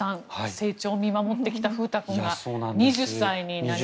成長を見守ってきた風太君が２０歳になりました。